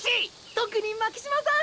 特に巻島さん！！